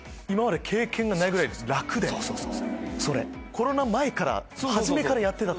コロナ前初めからやってた。